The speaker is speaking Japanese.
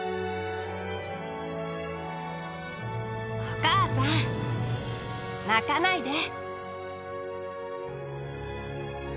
お母さん泣かないで。